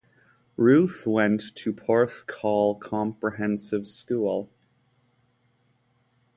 Ruth went to Porthcawl Comprehensive School.